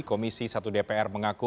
komisi satu dpr mengaku